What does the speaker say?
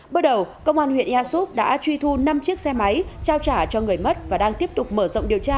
bước đầu công an huyện ea súp đã truy thu năm chiếc xe máy trao trả cho người mất và đang tiếp tục mở rộng điều tra